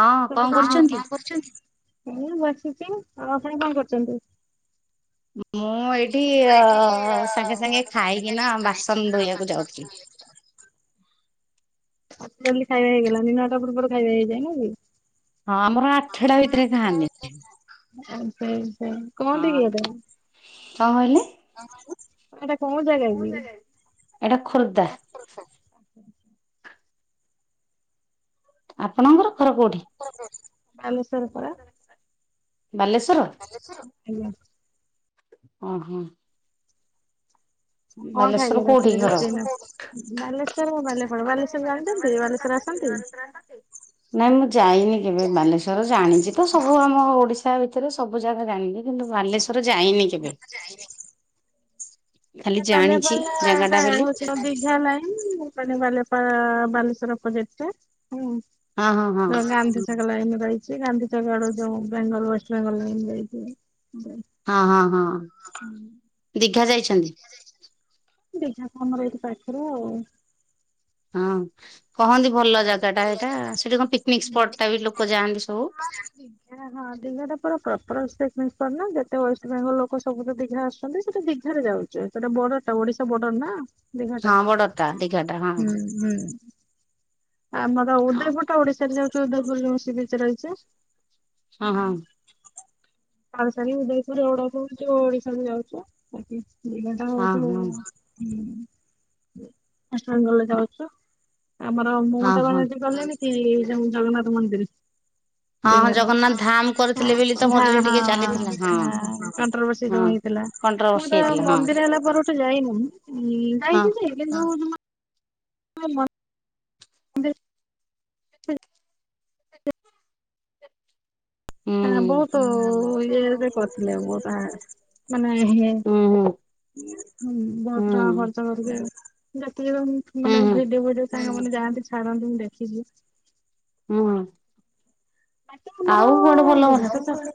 ହଁ [unintelligible] କରୁଛନ୍ତି? କଣ କରୁଛନ୍ତି? ହଁ ମୁଁ ବସିଛି, ଆଉ ଆପଣ କଣ କରୁଛନ୍ତି? ମୁଁ ଏଇଠି ସାଙ୍ଗେ ସାଙ୍ଗେ ଖାଇକିନା ବାସନ ଧୋଇବାକୁ ଯାଉଥିଲି। ଆ ଜଲଦି ଖାଇବା ହେଇଗଲା ନ ନଅଟା ପୂର୍ବରୁ ଖାଇବା ହେଇଯାଏ ନା କି। ହଁ ଆମର ଆଠଟା ଭିତରେ ଖାଆନ୍ତିି। [unintelligible] କହନ୍ତି କି ଦେ କଣ କହିଲେ? ହ ଏଇଟା କୋଉ ଜାଗା କି? ଏଇଟା ଖୋର୍ଦ୍ଧା ଆପଣଙ୍କର ଘର କୋଉଠି? ବାଲେଶ୍ୱର। ସ ଆଜ୍ଞା। ଓ ହୋ। କଣ ଖାଇଲେ କୋଉଠି ରାତିରେ? ଘର? ରୋଷେଇ ବାଲେଶ୍ଵର ହ [unintelligible] ବାଲେଶ୍ଵର [inaudible] ଜାଣିଛନ୍ତି ବାଲେଶ୍ଵର ଆସନ୍ତି? ନାଇଁ ମୁଁ ଯାଇନି କେବେ ବାଲେଶ୍ଵର, ଜାଣିଛି ତ ସବୁ ଆମ ଓଡିଶା ତା ଭିତରେ ସବୁ ଜାଗା ଜାଣିଲି, କିନ୍ତୁ ବାଲେଶ୍ଵର ଯାଇନି କେବେ? ଖାଲି [unintelligible] ଜାଣିଛି ଜାଗା ଟା ବୋଲି ହଉଛି ଦିଘା ଲାଇନ। [unintelligible] ଗଲେ ପା ବାଲେଶ୍ଵର ପ୍ରୋଜେକ୍ଟରେ। ହୁଁ ହଁ ହଁ ହଁ ମୁଁ ଗାନ୍ଧି ଛକ ଲାଇନ୍ ରେ ରହି ସେଇ ଗାନ୍ଧି ଛକ ଆଡ଼କୁ ଯୋଉ ବେଙ୍ଗଲ ୱେଷ୍ଟବେଙ୍ଗଲ ନେଇ ଯାଇଛିି ହଁ ହଁ ହଁ। ହୁଁ। ଦୀଘା ଯାଇଛନ୍ତି? ଦୀଘା ତ ଆମର ଏଇଠି ପାଖରେ ଆଉ। ହଁ। କହନ୍ତି ଭଲ ଜାଗାଟା। ସେଇଟା ସେଠି କଣ ପିକନିକ ସ୍ପଟ ଟା ବି ଲୋକ ଯାଆନ୍ତି ସବୁ? ଦୀଘାଟା ପୁରା ପ୍ରପର୍ ସେଇ ସେଣ୍ଟର ନା ଯେତେ ୱେଷ୍ଟବେଙ୍ଗଲ ଲୋକ ସବୁ ତ ଦୀଘା ଆସୁଛନ୍ତି, ସେଇଟା ଦୀଘାରେ ଯାଉଚି ଆଉ ସେଇଟା ବର୍ଡର ଟା ଓଡିଶା ବର୍ଡର ନା। ଦୀଘା ଟା ହଁ ବଡଟା ଦିଘାଟା ହଁ ହୁଁ ହୁଁ। ଆମର ହଁ ଉଦୟପୁରଟା ଓଡିଶାରେ ଯାଉଛି, ଉଦୟପୁର ଯୋଉଁ ସି ବିଚ ରହିଛି। ହଁ ହୁଁ। ହଁ ପାଲସାରି, ଉଦୟପୁର, ଓଡପୁର ଯୋଉ ଓଡିଶାରେ ଯାଉଛି ବା। ଦୀଘା ଟା ହଉ ହଁ ଯୋଉ ହଁ ହୁଁ। ବେଙ୍ଗଲ ଯାଉଛୁ, ଆମର ହଁ ମମତା ହଁ। ବାନାର୍ଜୀ ଗଲେଣିି ସେଇ ଯୋଉ ଜଗନ୍ନାଥ ମନ୍ଦିର ହଁ ହଁ ଦିଘାରେ, ଜଗନ୍ନାଥ ଧାମ କରିଥିଲେ ବୋଲି ତ ଧା ମଝିରେ ହଁ ହଁ ଟିକେ ଚାଲିଥିଲା ହଁ କଣ୍ଟ୍ରୋଭର୍ସି ହଁ। ଯୋଉ ହେଇଥି ଲା। ମୁଁ କଣ୍ଟ୍ରୋଭର୍ସି ତ ହେଇଥିଲା ହଁ ମନ୍ଦିର ହେଲା ପରଠୁ ଯାଇନାହିଁ, ଇ ହଁ ଯାଇଚି ଯେ କିନ୍ତୁ ଜମା [unintelligible] ମନ୍ଦିର ହଁ ହୁଁ। ବହୁତ ଇଏ ବି କରୁଥିଲେ ବହୁତ ହାର୍ଡ ମାନେ ହୁଁ ବହୁତ ଟଙ୍କା ଖର୍ଚ୍ଚ ହୁଁ କରିବେ ଯେତିକି ବି ମୁଁ ମାନେ ଭିଡିଓ ଫିଡିଓ ସାଙ୍ଗମାନେ ଯାଆନ୍ତି ଛାଡନ୍ତି ମୁଁ ଦେଖିଚି ହଁ। ପାଟ୍ ତ ଆମର ଭଲ ଦୀଘା ତ ତାପରେ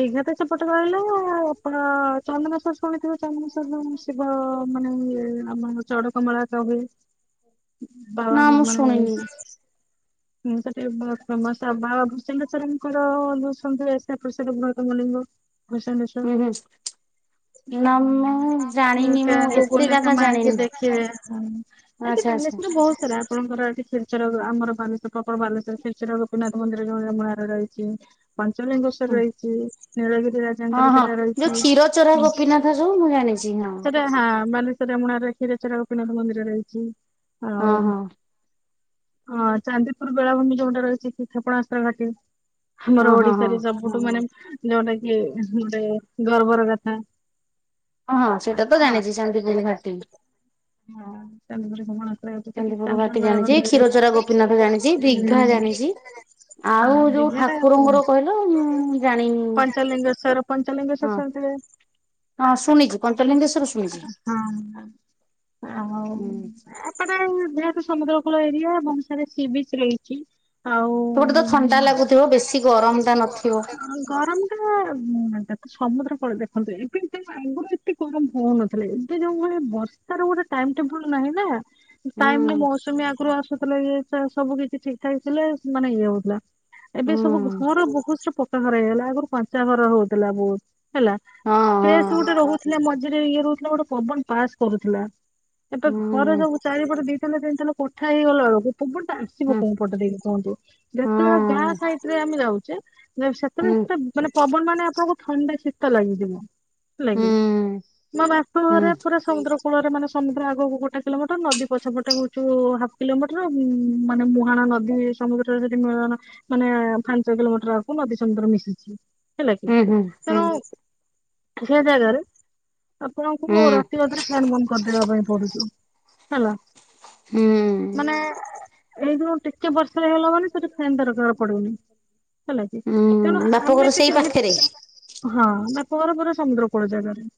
ଦୀଘା ତ ସେପଟେ ଗଳିଲେ ଆପଣ ଚନ୍ଦନେଶ୍ୱର ଶୁଣିଥିବେ [unintelligible] ଶିବ ମାନେ ଆମର ଚଢକମଳାକା ହୁଏ। ନା ମୁଁ ବାବାଙ୍କୁ ମାନେ ଶୁଣିନି ହୁଁ ସେଠି ବି ବହୁତ ଫେମସ ଆ ବାବା ଭୃଷଙ୍ଗେଶ୍ୱରଙ୍କର [unintelligible] ବୃହତ୍ତମ ଲିଙ୍ଗ। ଭୂଷନେଶ୍ୱର ହୁଁ ହୁଁ। ନା ମୁଁ ଜାଣିନି ମୁଁ [unintelligible] ଏତେ ଗୁଗୁଲ ଏକା ଜାଗା ମାରିକି ଜାଣିନି। ଦେଖିବେ ହୁଁ ଏନ୍ତି ଆଚ୍ଛା ଆଚ୍ଛା ବାଲେଶ୍ୱରରେ ବହୁତ ସାରା ଆପଣଙ୍କର ଏଠି କ୍ଷୀରଚୋରା ଆମର ବାଲେଶ୍ୱର ଆପଣ ବାଲେଶ୍ୱର କ୍ଷୀରଚୋରା ଗୋପୀନାଥ ମନ୍ଦିର ଯୋଉଁ ରେମୁଣାରେ ରହିଛି, ହୁଁ ପଞ୍ଚଲିଙ୍ଗେଶ୍ୱର ରହିଛି ନୀଳଗିରି ହଁ ରାଜାଙ୍କର ହଁ ସେଟା ଯୋଉ ରହିଛି, କ୍ଷୀର ଚୋରା ଗୋପୀନାଥ ଯୋଉ ମୁଁ ଜାଣିଛି ହଁ। ସେଟା ହଁ ବାଲେଶ୍ୱର ରେମୁଣାରେ କ୍ଷୀରଚୋରା ଗୋପୀନାଥ ମନ୍ଦିର ରହିଛି ହଁ ଆଉ ହଁ। ହଁ ଚାନ୍ଦିପୁର ବେଳାଭୂମି ଯୋଉଟା ରହିଛି କି କ୍ଷେପଣାସ୍ତ୍ର ଘାଟି। ହଁ ଆମର ହଁ ହଁ ଓଡିଶାରେ ସବୁଠୁ ମାନେ ଯୋଉଟା କି ଗୋଟେ ଗର୍ବର କଥା ହଁ ହଁ ସେଇଟା ତ ଜାଣିଚି ଚାନ୍ଦିପୁର ଘାଟି। ହଁ ଚାନ୍ଦିପୁର କ୍ଷେପଣାସ୍ତ୍ର ଘାଟି ସେଠି ଚାନ୍ଦିପୁର ଘାଟି ଜାଣିଚି, ବେଳାଭୂମିରେ କ୍ଷୀରଚୋରା ଗୋପୀନାଥ ଜାଣିଚି, ଦିଘା ଜାଣିଚି ହୁଁ ଆଉ ଯୋଉ ଦୀଘାଟା ଠାକୁରଙ୍କର କହିଲ ମୁଁ ଜାଣିନି। ପଞ୍ଚଲିଙ୍ଗେଶ୍ଵର ପଞ୍ଚଲିଙ୍ଗେଶ୍ଵର ଶୁଣିଥିବେ? ଶୁଣିଚି, ପଞ୍ଚଲିଙ୍ଗେଶ୍ୱର ଶୁଣିଛି। ହଁ। ଆଉ ହୁଁ ଏପଟେ ଯେହେତୁ ସମୂଦ୍ର ଆପଣଙ୍କ ଏରିଆ ବହୁତ ସାରା ସି ବିଚ ରହିଚି ଆଉ ସେପଟେ ତ ଥଣ୍ଡା ଲାଗୁଥିବ ବେଶୀ ଗରମ ଟା ନଥିବ ହୁଁ। ଗରମଟା ସମୁଦ୍ର ଆପଣ ଦେଖନ୍ତୁ ଏବେ ଏତେ ଆଗୁରୁ ଏତେ ଗରମ ହଉନଥିଲା, ଏବେ ଯୋଉ ଭଳିଆ ବର୍ଷାର ଗୋଟେ ଟାଇମ ଟେବୁଲ ନାହିଁ ନା ଟାଇମରେ ହୁଁ ମୌସୁମୀ ଆଗରୁ ଆସୁଥିଲା, ଇଏ ସିଏ ସବୁ କିଛି ଠିକଠାକ ଥିଲେ ମାନେ ଇଏ ହଉଥିଲା। ଏବେ ସବୁ ଘର ବହୁତ ସେ ପକ୍କା ଘର ହେଇଗଲା, ଆଗରୁ କଞ୍ଚା ଘର ହଉଥିଲା ବହୁତ। ହେଲା ହଁ ହଁ ସ୍ପେସ୍ ଗୋଟେ ରୋହୁଥିଲା ମଝିରେ ଇଏ ରୋହୁଥିଲା ଗୋଟେ ପବନ ପାସ୍ କରୁଥିଲା। ଏବେ ହୁଁ ଘରେ ସବୁ ଚାରିପଟେ ଦିଇଥାନେ ତିନିଥାନେ କଥା ହେଇଗଲା ବେଳକୁ ପବନ ଟା ଆସିବ ହୁଁ କୋଉପଟେ ଦେଇକି କୁହନ୍ତୁ ହଁ ଯେତେବେଳେ ଗାଁ ସାଇଟ୍ ରେ ଆମେ ଯାଉଚେ ତ ଯେ ସେତେବେଳେ ହୁଁ ସେଟା ମାନେ ପବନ ମାନେ ଆପଣଙ୍କୁ ଥଣ୍ଡା ଶୀତ ଲାଗିଯିବ। ହୁଁ ଲାଗି ମୋ ବାପ ହୁଁ ଘରେ ପୁରା ସମୁଦ୍ର କୁଳରେ ମାନେ ସମୁ୍ଦ୍ର ଆଗକୁ ଗୋଟେ କିଲୋମିଟର ନଦୀ ପଛ ପଟେ ହୋଉଚୁ ହାପ୍ କିଲୋମିଟର। ଉଁ ମାନେ ମୁହାଣ ନଦୀ ସମୁଦ୍ରରେ ସେଠି ମିଳନ ମାନେ ପାଞ୍ଚ କିଲୋମିଟର ଆଗକୁ ନଦୀ ସମୁ୍ଦ ଦ୍ର ମିଶିଛି। ହେଲା କି ହୁଁ ହୁଁ ହୁଁ ତେଣୁ ସେ ଜାଗାରେ ହୁଁ ଆପଣଙ୍କୁ ରାତି ଅଧରେ ଫ୍ୟାନ ବନ୍ଦ କରିଦବା ପାଇଁ ପଡୁଚି। ହେଲା। ହୁଁ। ମାନେ ଏଇ ଯୋଉ ଟିକେ ବର୍ଷା ହେଇଗଲା ମାନେ ସେଠି ଫ୍ୟାନ ଦରକାର୍ ପଡୁନି। ହେଲା କି ହୁଁ ତେଣୁ ବାପଘର ଆମେ ସେଇ ଟିକେ ପାଖରେ। ହଁ ପହରେ ପହରେ ସମୁଦ୍ର କୂଳ ଜାଗାରେ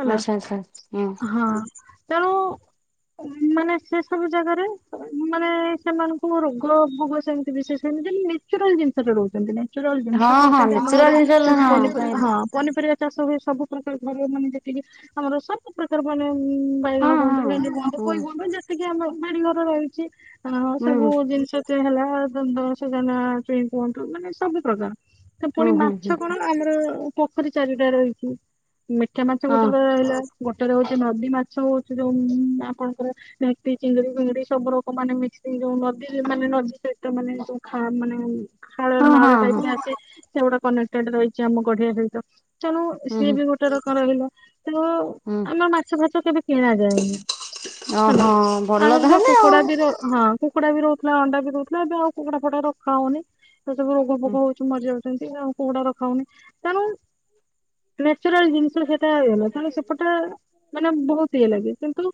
ହେଲା ଆଚ୍ଛା ଆଚ୍ଛା ହୁଁ ହଁ। ତେଣୁ ଉଁ ମାନେ ସେ ସବୁ ଜାଗାରେ ଉଁ ମାନେ ସେମାନଙ୍କୁ ରୋଗ ଭୋଗ ସେମିତି ବିଶେଷ ହେଇନି ଯେନ୍ତି ନେଚୁରାଲ ଜିନିଷଟା ରୋହୁଚନ୍ତି ନାଇଁ। ନେଚୁରାଲ୍ ଜିନଷ ହଁ ହଁ ଖାଉଚନ୍ତି ଆମ ଘରେ ନେଚୁରାଲ କିନ୍ତୁ ଜିନିଷ ପିନିପ୍ କାହିଁରେ ହଁ ପନିପରିବା ଚାଷ ହୁଏ। ସବୁ ପ୍ରକାର ଘର ମାନେ ଯେତିକି ଆମର ସବୁ ପ୍ରକାର ମାନେ ଉଁ ହଁ ବାଇଗଣ କୁହନ୍ତୁ ଭେଣ୍ଡି କୁହନ୍ତୁ ହଁ। ହୁଁ ପୋଇ କହନ୍ତୁ ଯେତିକି ଆମ ବାଡି ଘର ରହିିଚି ହଁ ସବୁ ହୁଁ ଜିନିଷ ତିଏ ହେଲା ଦ-ଦ ଶଜାନ ଛୁଇଁ କୁହନ୍ତୁ ମାନେ ସବୁ ପ୍ରକାର। ସେ ହୁଁ ପୁଣି ହୁଁ ମାଛ ହୁଁ କଣ ଆମର ପୋଖରୀ ଚାରିଟା ରହିଚି। ମିଠା ମାଛ ହଁ ଗୋଟେ କରେ ରହିଲା। ଗୋଟରେ ହୋଉଚି ନଦୀ ମାଛ ହୋଉଚି ଯୋଉ ଉଁ ଆପଣଙ୍କର [unintelligible] ଚିଙ୍ଗିଡି ଫିଙ୍ଗିଡି। ସବୁ ଲୋକ ମାନେ ମିଶିକି ଯୋଉ ନଦୀରେ ମାନେ ନଦୀ ସହିତ ମାନେ ଯୋଉା ଖା ମାନେ ହାଳ ହଁ ହଁ ନାଳ ହଁ ଟାଇପ ଆସେ ସେଗୁଡା କନେକ୍ଟେଡ ରହିଚି ଆମ ଗଢିଆ ସହିତ। ତେଣୁ ହୁଁ ସିଏ ହୁଁ। ବି ଗୋଟେ ରକ ରହିଲା ତ ହୁଁ ଆମେ ମାଛ ଫାଚ କେବେ କିଣାଯାଏନି ଓହୋ ହେଲା ଭଲ ଆହୁରି ତାହେଲେ ଆଉ। ନିର ହଁ କୁକୁଡା ବି ରୋହୁଥିଲା ଅଣ୍ଡା ବି ଦୋଉଥିଲା ଏବେ ଆଉ କୁକୁଡା ଫୁକୁଡ଼ା ରଖା ହୋଉନି। ସେ ସବୁ ରୋଗ ଫୋଗ ହୁଁ ହୋଉଚି ମରିଯାଚନ୍ତି ଆଉ କୁକୁଡ଼ା ରଖା ହୋଉନି ତେଣୁ ନେଚୁରାଲ୍ ଜିନିଷ ସେଟା ଇଏ ହେଇଗଲା ହେଲେ ସେପଟେ ମାନେ ବୋହୁତ ଇଏ ଲାଗେ। ନ୍ତୁ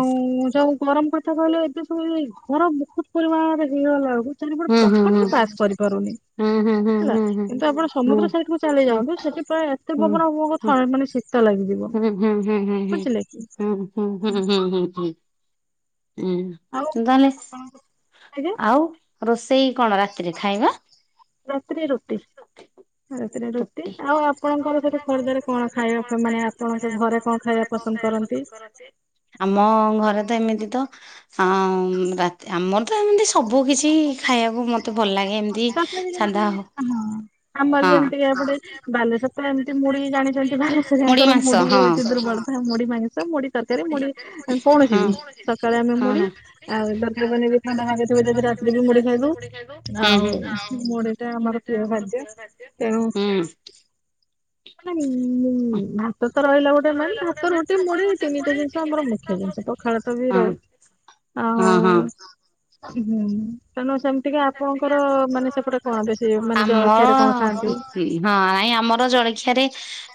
ଆଉଁ ଯୋଉ ଗରମ କ କଥା କୋହୁନ ଏବେ ସବୁ ନୁହେଁ କି ଘର ବୋହୁତ ପରିମାଣରେ ହେଇଗଲା ବେଳକୁ ଚାରି ପଟେ ହୁଁ ହୁଁ ପବନ ହୁଁ ହିଁ ପାସ୍ କରିପାରୁନି। ହୁଁ ହୁଁ ହେଲା ହୁଁ ହୁଁ। କିନ୍ତୁ ଆପଣ ହୁଁ ସମୁଦ୍ର ସାଇଡକୁ ଚାଲି ହୁଁ ହୁଁ ହୁଁ ହୁଁ ହୁଁ ହୁଁ ଯାଆନ୍ତୁ ସେଥିପାଇଁ ଏତେ ପବନ ଆପଣଙ୍କୁ ଥାଏ ମାନେ ଶୀ ହୁଁ ହୁଁ ହୁଁ ହୁଁ କି ହୁଁ ହୁଁ ହୁଁ ହୁଁ ହୁଁ ହୁଁ ହୁଁ। ଆଉ ହୁଁ ତାହଲେ ସ୍ ଆଜ୍ଞା ଆଉ ରୋଷ ଷେଇ କଣ ରାତିରେ ଖାଇବା? ରାତିରେ ରୁଟି। ରାତିରେ ରୁଟି ଆଉ ଆପଣଙ୍କର ସେଠି ଖୋର୍ଦ୍ଧାରେ କଣ ଖାଇବା ଫେ ମାନେ ଆପଣଙ୍କ ଘରେ କଣ ଖାଇବା ପସନ୍ଦ? ଖାଇବା ପସନ୍ଦ କରନ୍ତି? ଆମ ଘରେ ତ ଏମିତି ତ ଆଁମ୍ ରାତି ଆମର ତ ହେମତି ସବୁ କିଛି ଇ ଖାଇବାକୁ ମତେ ଭଲ ଲାଗେ ଏମିତି ତଥାପି ଯେମିତି ସାଧା ହୋ ହଁ ଆମର ଯେମିତିକ ଏପଟେ ବାଲେଶ୍ୱର ତ ଏମିତି ମୁଢ଼ି ଜାଣିଛନ୍ତି। ବାଲେଶ୍ୱରୀଆଙ୍କର ମାଂସ ମୁଢି ହଁ ହୋଉଛି ଦୁର୍ବଳ। ମୁଢି ମାନ ନ୍ସ ମୁଡି ତରକାରୀ ମୁଡି କୌଣସି ହଁ। ବି ସକାଳେ ଆମେ ହଁ ମୁଡି ହଁ ଆଉ [unintelligible] ଥଣ୍ଡା ହ ହୁଏ ଯଦି ରାତିରେ ବି ମୁଢି ଖାଇଦୋଉ ହୁଁ ହୁଁ ଆଉ ମୁଢି ଟା ଆମର ପ୍ରିୟ ଖାଦ୍ୟ। ତେଣୁ ହୁଁ ମାନେ ମୁଁ ଭାତ ତ ରହିଲା ଗୋଟେ ମେନ୍ ଭାତ ରୋଟି ମୁଢି ତିନିଟା ଜିନ୍ସ ଆମର ମୁଖ୍ୟ ଜିନ୍ସ। ପଖାଳ ତ ବି ରୋହୁ ଅହଁ। ହୁଁ। ତାରଣୁ ସେମିତି ଆପଣଙ୍କର ମାନେ ସେପଟେ କଣ ବେଶୀ ମାନେ ଆମ ଜଳଖିଆରେ କଣ ହଁ ଖାଆନ୍ତି? ନାଇଁ ଆମର ଜଳଖିଆରେ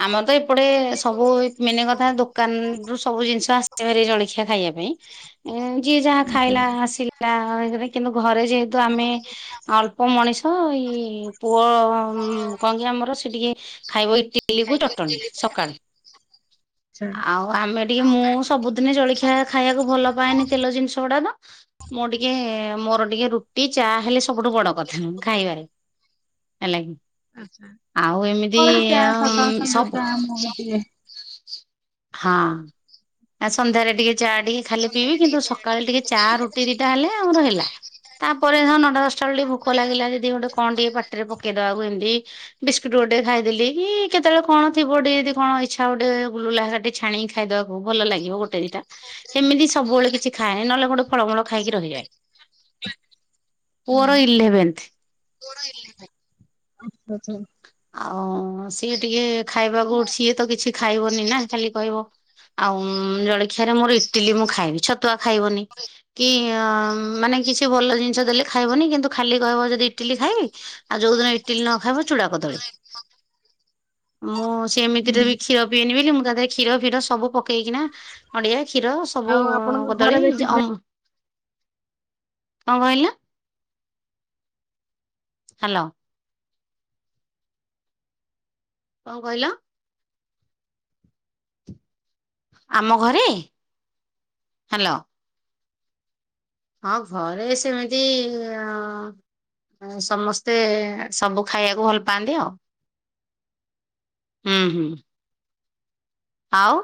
ଆମର ତ ଏପଟେ ସବୁ ମେନ କଥା ଦୋକାନରୁୁ ସବୁ ଜିନିଷ ଆସଛି ଭାରି ଜଳଖିଆ ଖାଇବା ପାଇଁ। ଉଁ ଯିଏ ଯାହା ଆଚ୍ଛା ଖାଇଲା ଆସିଲା କିନ୍ତୁ ଘରେ ଯେହେତୁ ଆମେ ଅଳ୍ପ ମଣିଷ ତ ଏଇ ପୁଅ କଣ କି ଆମର ସେ ଟିକେ ଖାଇବ ଇ ଇଟିଲି କୁ ଚଟଣୀ ସକାଳେ ଆଚ୍ଛା। ଆଉ ଆମେ ଟିକେ ମୁଁ ସବୁଦିନେ ଜଳଖିଆ ଖାଇବାକୁ ଭଲ ପାଏନି ତେଲ ଜିନିଷ ଗୁଡାକ ମୋ ଟିକେ ମୋର ଟିକେ ରୁଟି ଚା ହେଲେ ସବୁଠୁ ବଡ କଥା ଖାଇବାରେ ହେଲା କିି? ଆଚ୍ଛା। ଆଉ ଏମିତି ମୋର ବି ଚା ଆଁ ସକାଳ ସନ୍ଧ୍ୟା ସବୁ ଚା ମୁଁ ବି ପିଏ। ହଁ। ଆ ସନ୍ଧ୍ୟାରେ ଟିକେ ଚା ଟିକେ ଖାଲି ପିଇବି କିନ୍ତୁ ସକାଳେ ଟିକେ ଚା ରୁଟି ଦିଟା ହେଲେ ଆମର ହେଲା। ତାପରେ ହଁ ନଅଟା ଦଶଟା ବେଳେ ଟିକେ ଭୋକ ଲାଗିଲା ଦି ଗୋଟେ କଣ ଟିକେ ପାଟିରେ ପକେଇଲା ବାକୁ ଏମିତି ବିସ୍କୁଟ ଗୋଟେ ଖାଇଦେଲି କି କେତେବେଳେ କଣ ଥିବ ଟିକେ ଯଦି କଣ ଇଚ୍ଛା ଗୋଟେ ଗୁଲୁଲା ଛାଣି ଖାଇଦବାକୁ ଭଲ ଲାଗିବ ଗୋଟେ ସେମିତି ସବୁବେଳେ କିଛି ଖାଏ ନହେଲେ ଗୋଟେ ଫଳମୂଳ ଖାଇକି ରହିଯାଏ। ପୁଅର ଇଲେଭେନ୍ଥ ହୁଁ। ଆଉ ସିଏ ଟିକେ ଖାଇବାକୁ ସିଏ ତ କିଛି ଖାଇବନି ନା ଖାଲି କହିବ? ଆଉ ଜଳଖିଆରେ ମୋର ଇଟିଲି ମୁଁ ଖାଇବି ଛତୁଆ ଖାଇବନି କି ମାନେ କିଛି ଭଲ ଜିନିଷ ଦେଲେ ଖାଇବନି କିନ୍ତୁ ଖାଲି କହିବ ଯଦି ଇଟିଲି ଖାଇବି ଆଉ ଯୋଉଦିନ ଇଟିଲି ନ ଖାଇବ ଚୁଡା କଦଳୀ ମୁଁ ସେମିତିରେ ହୁଁ ବି କ୍ଷୀର ପିଇବିନି ମୁଁ ତା ଦେହରେ କ୍ଷୀର ଫିର ସବୁ ପକେଇକିନା ନଡିଆ କ୍ଷୀର ସବୁ ଆଉ ଆପଣଙ୍କ କଦଳୀ ଘରେ ବେଶୀ ଅମୃ [inaudible] କଣ କହିଲ? ହ୍ୟାଲୋ। କଣ କହିଲ? ଆମ ଘରେ [inaudible] ହ୍ୟାଲୋ। ହଁ ଘରେ ସେମିତି ଆଁ ଆ ସମସ୍ତେ ସବୁ ଖାଇବାକୁ ଭଲ ପାଆନ୍ତି ଆଉ। ହୁଁ ହୁଁ। ଆଉ।